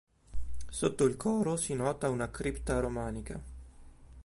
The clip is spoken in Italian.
Sotto il coro si nota una cripta romanica.